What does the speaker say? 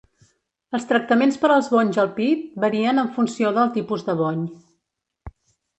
Els tractaments per als bonys al pit varien en funció del tipus de bony.